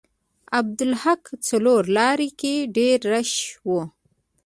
عبدالحق څلور لارې کې ډیر رش و.